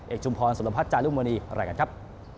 เอกชุมพรสุรพัฒน์จารุมวณีรายการครับ